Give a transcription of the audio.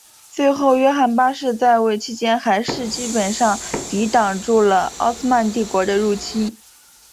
最后约翰八世在位期间还是基本上抵挡住了奥斯曼帝国的入侵。